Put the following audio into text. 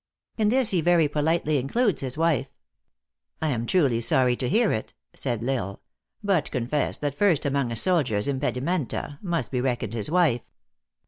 In this he very polite ly includes his wife." "I am truly sorry to hear it," said L Isle, " but confess that first among a soldier s impedimenta must be reckoned his wife."